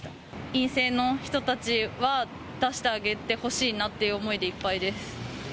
陰性の人たちは出してあげてほしいなという思いでいっぱいです。